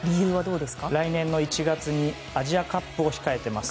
来年の１月にアジアカップを控えています。